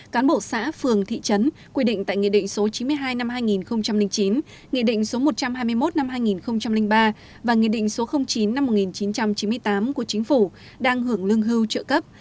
cán bộ xã phường thị trấn quy định tại nghị định số chín mươi hai năm hai nghìn chín nghị định số một trăm hai mươi một năm hai nghìn ba và nghị định số chín năm một nghìn chín trăm chín mươi tám của chính phủ đang hưởng lương hưu trợ cấp